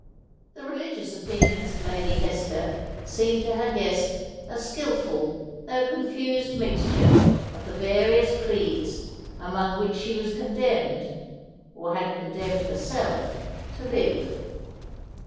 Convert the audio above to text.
The religious opinions of Lady Hester seemed to her guest a skilful though confused mixture of the various creeds among which she was condemned or had condemned herself to live.